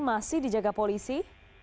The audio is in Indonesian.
masih dijaga polisi